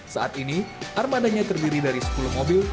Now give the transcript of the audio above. saat ini armadanya terdiri dari sepuluh mobil